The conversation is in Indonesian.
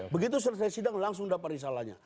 begitu selesai sidang langsung dapat risalahnya